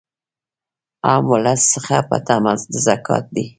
هم ولس څخه په طمع د زکات دي